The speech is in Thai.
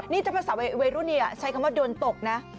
นี่ถ้าภาษาวัยรุ่นนี่ใช้คำว่าโดนตกนะ